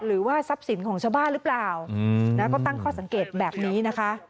หรือว่าทรัพย์สินของชาวบ้านหรือเปล่าก็ตั้งข้อสังเกตแบบนี้นะคะ